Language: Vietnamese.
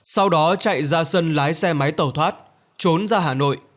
sau đó chạy ra sân lái xe máy tàu thoát trốn ra hà nội